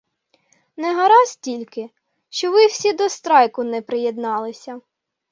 Не гаразд тільки, що ви всі до страйку не приєдналися.